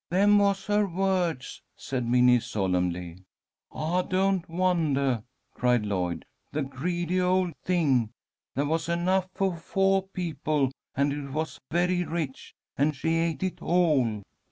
"Them was her words," said Minnie, solemnly. "I don't wondah!" cried Lloyd. "The greedy old thing! There was enough for foah people, and it was very rich, and she ate it all."